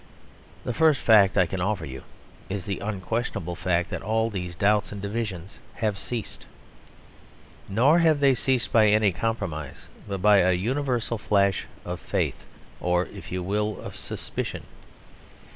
The first fact I can offer you is the unquestionable fact that all these doubts and divisions have ceased. Nor have they ceased by any compromise; but by a universal flash of faith or, if you will, of suspicion.